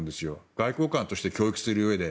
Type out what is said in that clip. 外交官として教育するうえで。